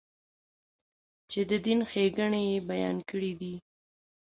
چې د دین ښېګڼې یې بیان کړې دي.